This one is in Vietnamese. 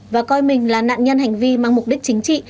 và coi mình là nạn nhân hành vi mang mục đích chính trị